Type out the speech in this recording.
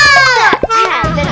buat dulu celengannya